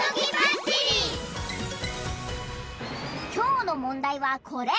きょうのもんだいはこれ。